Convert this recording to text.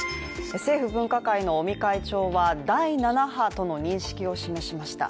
政府分科会の尾身会長は第７波との認識を示しました。